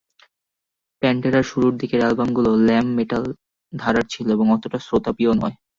প্যান্টেরার শুরুর দিকের অ্যালবামগুলো lamp metal ধারার ছিল এবং অতটা শ্রোতাপ্রিয় নয়।